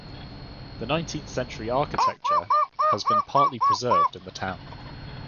The nineteenth century architecture has been partly preserved in the town.